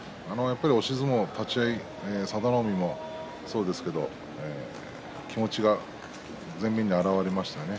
押し相撲、立ち合い佐田の海もそうですけれども気持ちが前面に表れましたね。